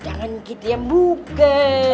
jangan gitu ya buka